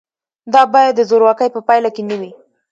دا باید د زورواکۍ په پایله کې نه وي.